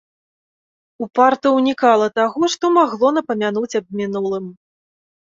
Упарта ўнікала таго, што магло напамянуць аб мінулым.